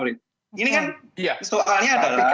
ini kan dia soalnya adalah